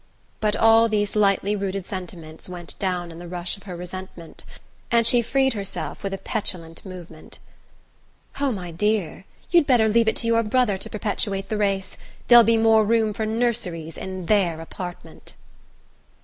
But all these lightly rooted sentiments went down in the rush of her resentment, and she freed herself with a petulant movement. "Oh, my dear, you'd better leave it to your brother to perpetuate the race. There'll be more room for nurseries in their apartment!"